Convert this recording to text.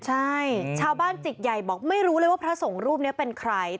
ใช่ชาวบ้านจิกใหญ่บอกไม่รู้เลยว่าพระสงฆ์รูปนี้เป็นใคร